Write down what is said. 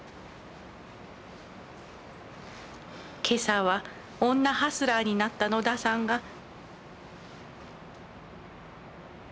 今朝は女ハスラーになった野田さんが。